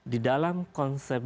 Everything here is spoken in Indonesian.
di dalam konsep